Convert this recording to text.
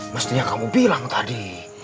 mestinya kamu bilang tadi